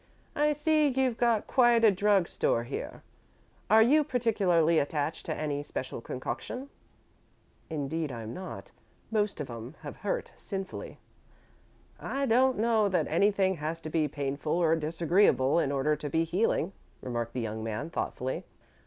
"I see you've got quite a drug store here. Are you particularly attached to any special concoction?" "Indeed I'm not. Most of 'em have hurt sinfully." "I don't know that anything has to be painful or disagreeable in order to be healing," remarked the young man, thoughtfully.